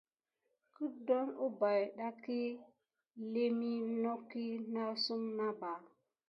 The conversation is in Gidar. Kedan umpay ɗaki lemi naku nasum naba.